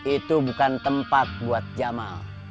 itu bukan tempat buat jamal